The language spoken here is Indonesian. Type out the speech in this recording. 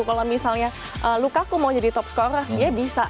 kalau misalnya lukaku mau jadi top scorer dia bisa